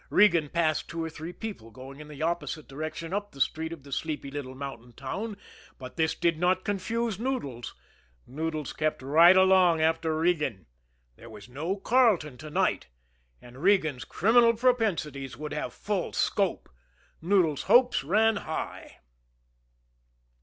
Regan passed two or three people going in the opposite direction up the street of the sleepy little mountain town, but this did not confuse Noodles Noodles kept right along after Regan. There was no Carleton to night, and Regan's criminal propensities would have full scope Noodles' hopes ran high.